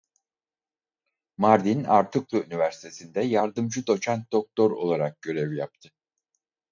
Mardin Artuklu Üniversitesi'nde Yardımcı Doçent Doktor olarak görev yaptı.